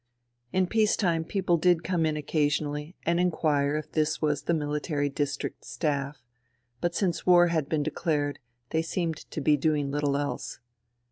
In peace time people did come in occasionally and inquire if this was the Military District Staff ; but since war had been declared they seemed to be doing little else.